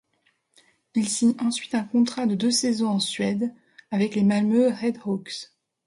Il signe ensuite un contrat de deux saisons en Suède avec les Malmö Redhawks.